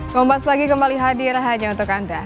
kompas lagi kembali hadir hanya untuk anda